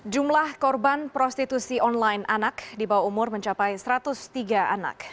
jumlah korban prostitusi online anak di bawah umur mencapai satu ratus tiga anak